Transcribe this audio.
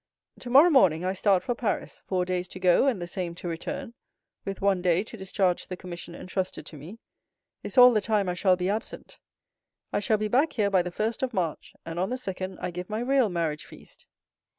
Tomorrow morning I start for Paris; four days to go, and the same to return, with one day to discharge the commission entrusted to me, is all the time I shall be absent. I shall be back here by the first of March, and on the second I give my real marriage feast."